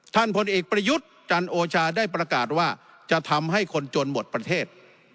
พลเอกประยุทธ์จันโอชาได้ประกาศว่าจะทำให้คนจนหมดประเทศ